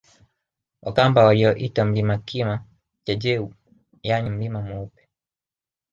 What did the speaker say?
Wakamba walioita mlima Kima jaJeu yaani mlima mweupe